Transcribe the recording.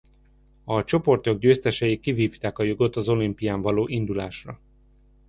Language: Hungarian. A csoportok győztesei kivívták a jogot az olimpián való indulásra.